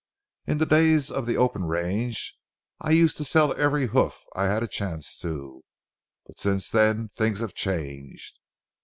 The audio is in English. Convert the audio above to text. In the days of the open range, I used to sell every hoof I had a chance to, but since then things have changed.